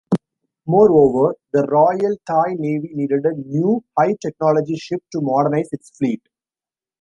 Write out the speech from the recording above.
Moreover, the Royal Thai Navy needed a new, high-technology ship to modernize its fleet.